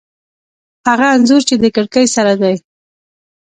هغه انځور چې د کړکۍ سره دی